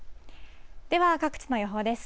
では、各地の予報です。